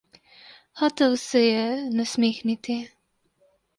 Hotel se je nasmehniti.